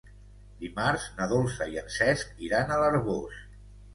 Dimarts na Dolça i en Cesc iran a l'Arboç.